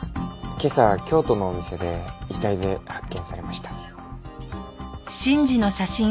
今朝京都のお店で遺体で発見されました。